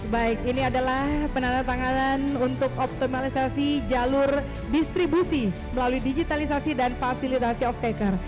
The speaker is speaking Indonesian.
baik ini adalah penandatanganan untuk optimalisasi jalur distribusi melalui digitalisasi dan fasilitasi off taker